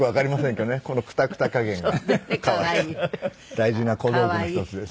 大事な小道具の一つです。